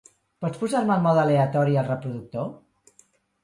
Pots posar-me el mode aleatori al reproductor?